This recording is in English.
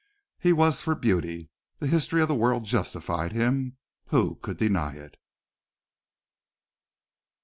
He was for beauty. The history of the world justified him. Who could deny it?